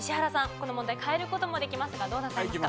この問題変える事もできますがどうなさいますか？